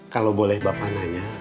kalau boleh bapak nanya